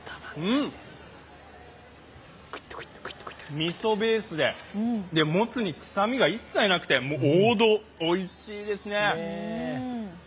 みそベースで、もつに臭みが一切なくて、王道、おいしいですね。